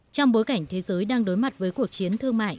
trong bối cảnh thế giới đang đối mặt với cuộc chiến thương mại